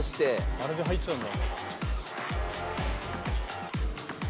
あれで入っちゃうんだ。